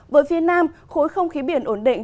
với phía nam khối không khí biển ổn định